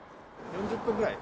４０分ぐらい？